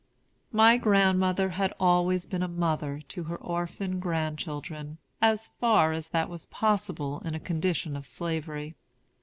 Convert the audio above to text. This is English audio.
My grandmother had always been a mother to her orphan grandchildren, as far as that was possible in a condition of Slavery.